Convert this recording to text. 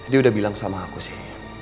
dia udah bilang sama aku sih